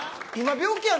病気やん。